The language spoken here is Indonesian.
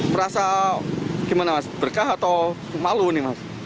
merasa gimana mas berkah atau malu nih mas